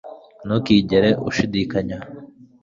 ntukigere ushidikanya